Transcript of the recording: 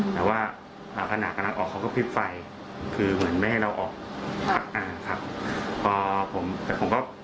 และวิ้งมอเซอร์ของตำรวจจากที่น่าสมึง